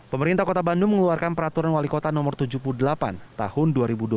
pemerintah kota bandung mengeluarkan peraturan wali kota no tujuh puluh delapan tahun dua ribu dua puluh